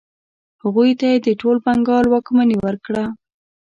هغوی ته یې د ټول بنګال واکمني ورکړه.